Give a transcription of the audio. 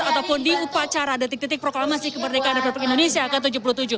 ataupun di upacara detik detik proklamasi kemerdekaan republik indonesia ke tujuh puluh tujuh